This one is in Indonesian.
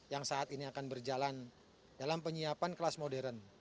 yang saat ini akan berjalan dalam penyiapan kelas modern